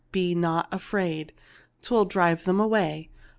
Be not afraid. 'Twill drive them away.